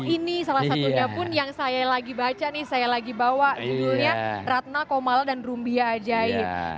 ini salah satunya pun yang saya lagi baca nih saya lagi bawa judulnya ratna komal dan rumbia ajaib